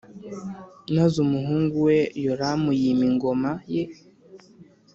maze umuhungu we Yoramu yima ingoma ye